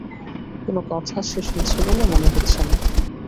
কোনো কথা সে শুনছে বলে মনে হচ্ছে না।